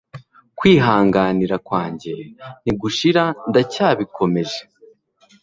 kwihanganira kwanjye ntigushira ndacyabikomeje